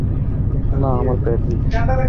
না, আমার প্যাড নেই।